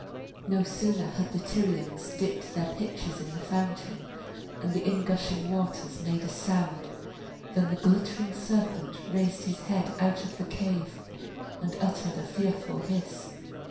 No sooner had the Tyrians dipped their pitchers in the fountain, and the in gushing waters made a sound, than the glittering serpent raised his head out of the cave and uttered a fearful hiss.